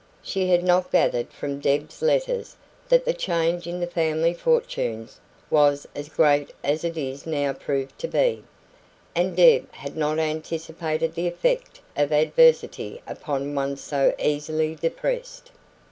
She had not gathered from Deb's letters that the change in the family fortunes was as great as it now proved to be; and Deb had not anticipated the effect of adversity upon one so easily depressed.